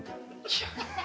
いや。